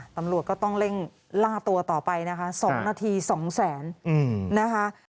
ตำรวจก็ต้องเร่งล่าตัวต่อไปนะคะ๒นาที๒แสนนะคะ